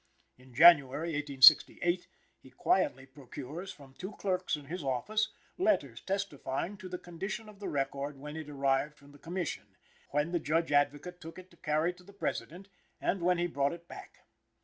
In January, 1868, he quietly procures from two clerks in his office, letters testifying to the condition of the record when it arrived from the Commission, when the Judge Advocate took it to carry to the President, and when he brought it back.